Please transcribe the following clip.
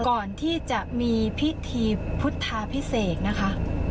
ก่อนที่จะมีพิธีพุทธาพิเศษนะคะ